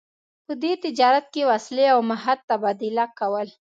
په دې تجارت کې وسلې او مهت تبادله کول.